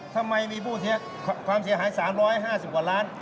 ทำไมมีผู้ความเสียหาย๓๕๐กว่าล้าน